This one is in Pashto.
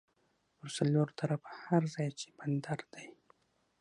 پر څلور طرفه هر ځای چې بندر دی